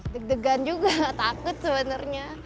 deg degan juga takut sebenarnya